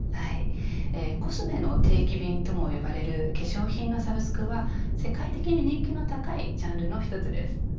コスメの定期便とも呼ばれる化粧品のサブスクは世界的に人気の高いジャンルの一つです。